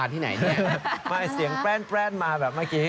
ที่ไหนไม่เสียงแป้นมาแบบเมื่อกี้